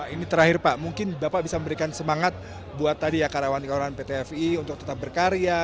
ini terakhir pak mungkin bapak bisa memberikan semangat buat tadi ya karyawan karyawan pt fi untuk tetap berkarya